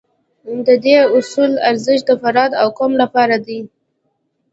د دې اصول ارزښت د فرد او قوم لپاره دی.